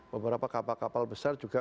beberapa kapal kapal besar juga